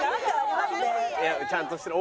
ちゃんとしてる。